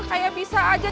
kayak bisa aja